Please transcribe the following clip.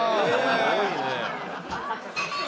すごいね。